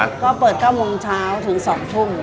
ก็เปิด๙โมงเช้าถึง๒ทุ่ม